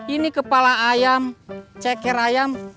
ini kepala ayam ceker ayam